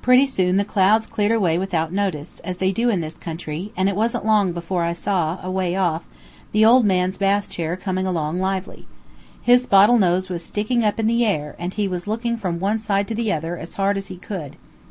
Pretty soon the clouds cleared away without notice, as they do in this country, and it wasn't long before I saw, away off, the old man's bath chair coming along lively. His bottle nose was sticking up in the air, and he was looking from one side to the other as hard as he could.